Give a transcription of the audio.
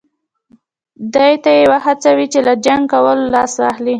دې ته یې وهڅوي چې له جنګ کولو لاس واخلي.